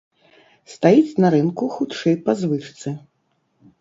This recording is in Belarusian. Стаіць на рынку, хутчэй, па звычцы.